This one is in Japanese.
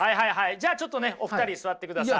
じゃあちょっとねお二人座ってください。